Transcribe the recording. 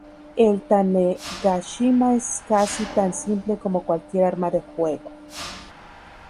El tanegashima es casi tan simple como cualquier arma de fuego.